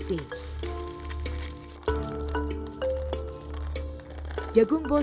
sehingga mereka dapat memiliki makanan yang lebih baik